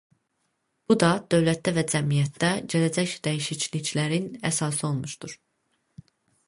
Bu da dövlətdə və cəmiyyətdə gələcək dəyişikliklərin əsası olmuşdur.